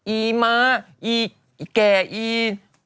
อีม้าอีแก่อี